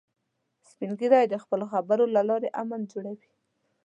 سپین ږیری د خپلو خبرو له لارې امن جوړوي